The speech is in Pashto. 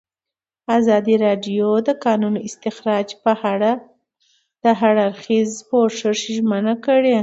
ازادي راډیو د د کانونو استخراج په اړه د هر اړخیز پوښښ ژمنه کړې.